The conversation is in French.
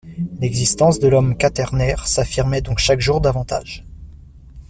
L’existence de l’homme quaternaire s’affirmait donc chaque jour davantage.